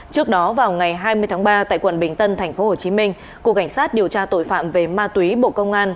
trước đó vào ngày hai mươi tháng ba tại quận bình tân tp hcm cục cảnh sát điều tra tội phạm về ma túy bộ công an